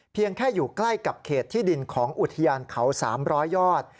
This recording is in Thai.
แค่อยู่ใกล้กับเขตที่ดินของอุทยานเขา๓๐๐ยอด